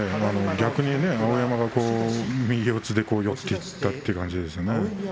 逆に碧山が右四つで寄っていったという感じですね。